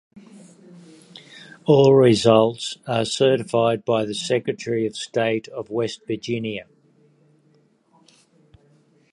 All results are certified by the Secretary of State of West Virginia.